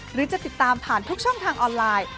หรือจะติดตามผ่านทุกช่องทางออนไลน์